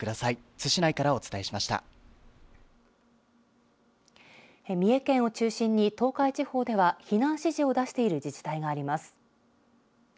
津市内から三重県を中心に東海地方では、避難指示を出している自治体があります。